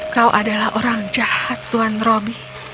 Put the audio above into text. kau adalah orang jahat tuhan robby